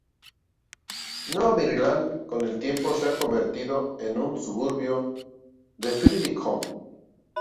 Nueva Maryland con el tiempo se ha convertido en un suburbio de Fredericton.